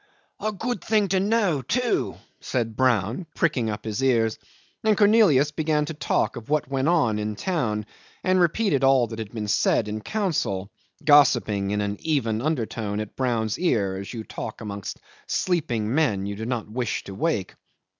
"A good thing to know, too," said Brown, pricking up his ears; and Cornelius began to talk of what went on in town and repeated all that had been said in council, gossiping in an even undertone at Brown's ear as you talk amongst sleeping men you do not wish to wake.